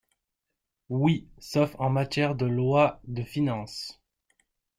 Oui, sauf en matière de lois de finances.